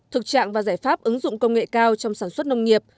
thực trạng và giải pháp ứng dụng công nghệ cao trong sản xuất nông nghiệp